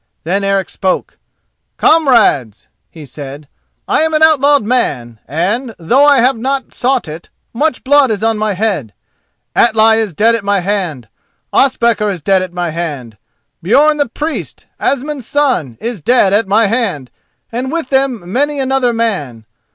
Then Eric spoke. "Comrades," he said, "I am an outlawed man, and, though I have not sought it, much blood is on my head. Atli is dead at my hand; Ospakar is dead at my hand; Björn the Priest, Asmund's son, is dead at my hand, and with them many another man.